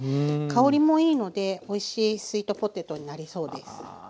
香りもいいのでおいしいスイートポテトになりそうです。